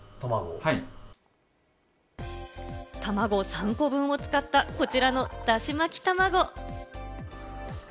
たまごを３個分を使ったこちらの、だし巻き卵。